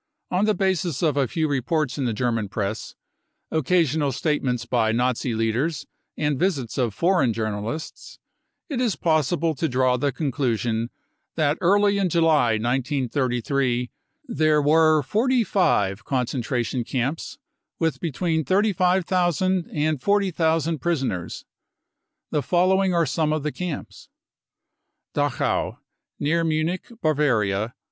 On the basis of a few reports in the German Press, occasional statements by Nazi leaders and visits of foreign journalists, it is possible to draw the conclusion that early in July 1933 there were forty five concentration camps with between 35,000 and * 40,000 prisoners. The following are some of the camps : Dachau, near Munich, Bavaria